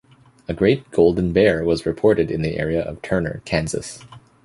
A great "Golden Bear" was reported in the area of Turner, Kansas.